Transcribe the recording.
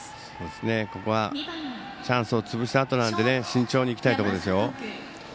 ここはチャンスを潰したあとなので慎重にいきたいところですよ。